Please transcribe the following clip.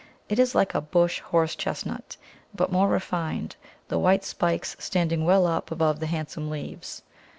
It is like a bush Horse chestnut, but more refined, the white spikes standing well up above the handsome leaves.